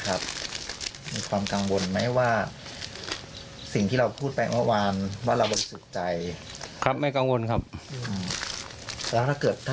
อันนี้มันก็ถ้าเกิดมันไม่ใช่ก็ไม่ใช่นะครับก็จะ